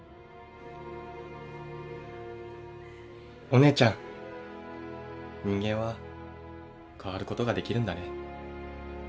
お姉ちゃん人間は変わることができるんだね。